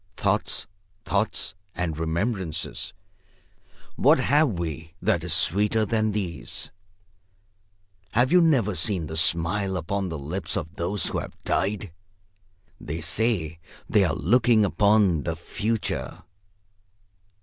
Thoughts, thoughts and remembrances, what have we that is sweeter than these? Have you never seen the smile upon the lips of those who have died? They say they are looking upon the Future.